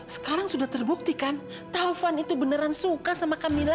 sekarang sudah terbuktikan taufan itu beneran suka sama kamila